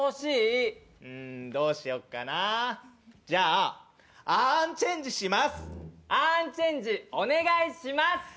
じゃああーんチェンジします！